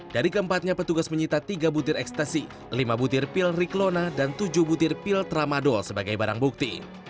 dari keempatnya petugas menyita tiga butir ekstasi lima butir pil riklona dan tujuh butir pil tramadol sebagai barang bukti